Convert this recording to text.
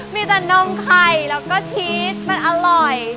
มีแต่นมไข่แล้วก็ชีสมันอร่อย